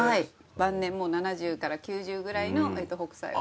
晩年もう７０から９０ぐらいの北斎を。